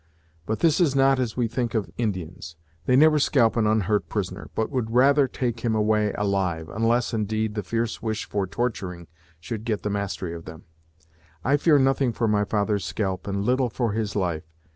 But this is not as we think of Indians. They never scalp an unhurt prisoner, but would rather take him away alive, unless, indeed, the fierce wish for torturing should get the mastery of them. I fear nothing for my father's scalp, and little for his life.